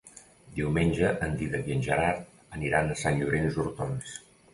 Diumenge en Dídac i en Gerard aniran a Sant Llorenç d'Hortons.